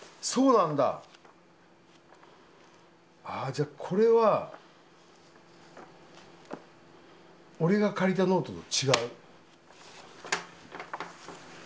あじゃあこれは俺が借りたノートと違う。